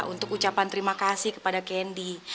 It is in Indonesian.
untuk ucapan terima kasih kepada kendi